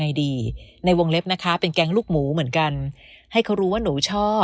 ไงดีในวงเล็บนะคะเป็นแก๊งลูกหมูเหมือนกันให้เขารู้ว่าหนูชอบ